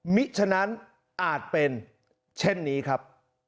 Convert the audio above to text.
ฉะนั้นอาจเป็นเช่นนี้ครับ